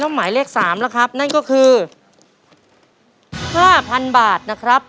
หมายเลข๓นะครับนั่นก็คือ๕๐๐๐บาทนะครับ